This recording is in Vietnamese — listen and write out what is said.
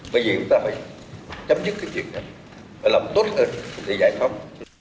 bởi vậy chúng ta phải chấm dứt cái chuyện này làm tốt hơn để giải phóng